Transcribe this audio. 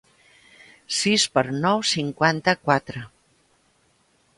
Sis per nou cinquanta-quatre.